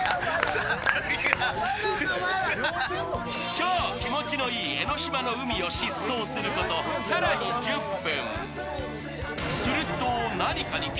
超気持ちのいい江の島の海を疾走すること１０分。